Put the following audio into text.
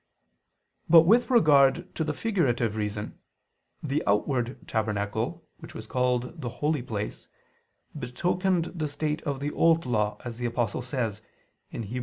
But with regard to the figurative reason, the outward tabernacle, which was called the Holy Place, betokened the state of the Old Law, as the Apostle says (Heb.